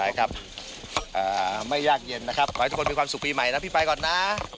ครับไม่ยากเย็นนะครับขอให้ทุกคนมีความสุขปีใหม่นะพี่ไปก่อนนะ